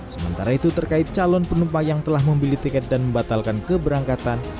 sementara itu terkait calon penumpang yang telah membeli tiket dan membatalkan keberangkatan